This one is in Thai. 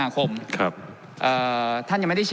ครับ